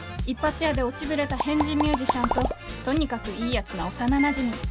一発屋で落ちぶれた変人ミュージシャンととにかくいいヤツな幼なじみ